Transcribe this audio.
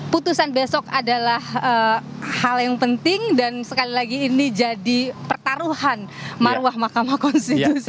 putusan besok adalah hal yang penting dan sekali lagi ini jadi pertaruhan maruah mahkamah konstitusi